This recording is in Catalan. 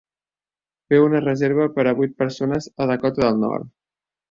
Feu una reserva per a vuit persones a Dakota del Nord.